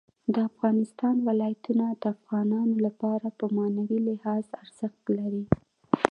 د افغانستان ولايتونه د افغانانو لپاره په معنوي لحاظ ارزښت لري.